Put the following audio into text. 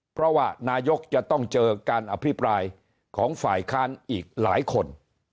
เพราะว่านายกจะต้องเจอการอภิปรายของฝ่ายค้านอีกหลายคน